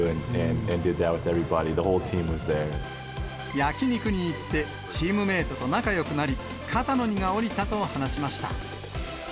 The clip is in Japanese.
焼き肉に行って、チームメートと仲よくなり、肩の荷が下りたと話しました。